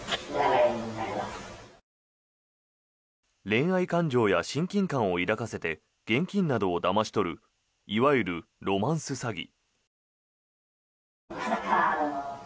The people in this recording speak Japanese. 恋愛感情や親近感を抱かせて現金などをだまし取るいわゆるロマンス詐欺。